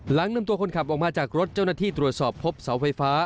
หลังนำตัวคนขับออกมาจากรถเจ้าหน้าที่ตรวจสอบพบเสาไฟฟ้า